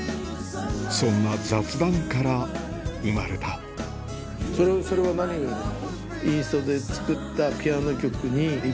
そんな雑談から生まれたそれは何をやるの？